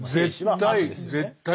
絶対。